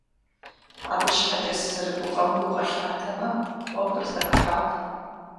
Абы щхьэкӀэ сызэрыгуфӀэм гу къылъатэмэ, Ӏуэхур зэӀыхьат.